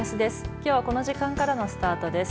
きょうはこの時間からのスタートです。